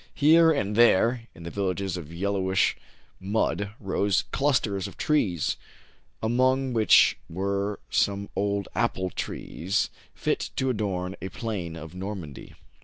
Here and there, in the villages of yel lowish mud, rose clusters of trees, among which were some old apple trees fit to adorn a plain of Normandy.